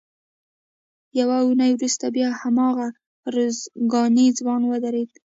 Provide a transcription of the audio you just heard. یوه اونۍ وروسته بیا هماغه ارزګانی ځوان ودرېد.